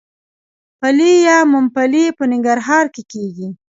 پلی یا ممپلی په ننګرهار کې کیږي.